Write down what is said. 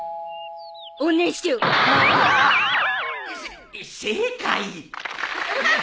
せ正解。